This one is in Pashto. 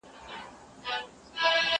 ياد مي ته که، مړوي به مي خدای.